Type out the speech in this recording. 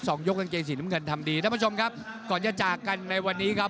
ยกกางเกงสีน้ำเงินทำดีท่านผู้ชมครับก่อนจะจากกันในวันนี้ครับ